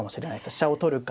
飛車を取るか。